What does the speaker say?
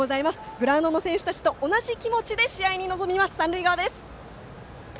グラウンドの選手たちと同じ気持ちで試合に臨みます、三塁側です。